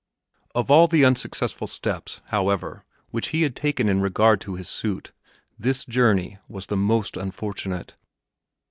Of all the unsuccessful steps, however, which he had taken in regard to his suit, this journey was the most unfortunate.